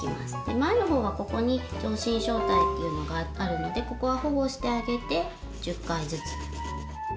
前のほうはここに上唇小帯っていうのがあるのでここは保護してあげて１０回ずつ。